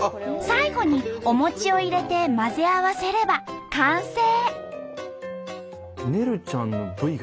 最後にお餅を入れて混ぜ合わせれば完成。